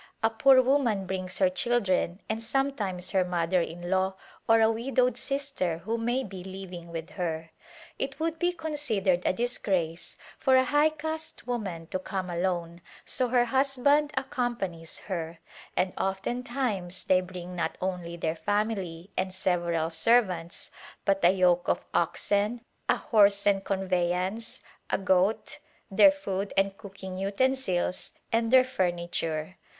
A poor woman brings her children and sometimes her mother in law or a widowed sister who may be living with her. It would be considered a disgrace for a high caste woman to come alone so her husband accompanies her, and oftentimes they bring not only their family and several servants, but a yoke of oxen, a horse and conveyance, a goat, their food and cook ing utensils and their furniture.